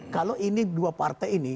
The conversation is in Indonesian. kalau ini dua partai ini